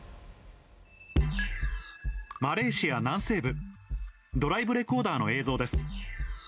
マレーシア南西部、ドライブレコーダーの映像です。